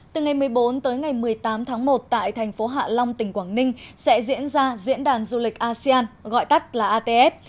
từ ngày một mươi bốn tới ngày một mươi tám tháng một tại thành phố hạ long tỉnh quảng ninh sẽ diễn ra diễn đàn du lịch asean gọi tắt là atf